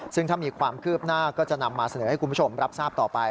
ซึ่งถ้ามีความคืบหน้าก็จะนำมาเสนอให้คุณผู้ชมรับทราบต่อไป